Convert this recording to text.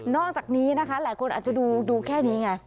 อกจากนี้นะคะหลายคนอาจจะดูแค่นี้ไง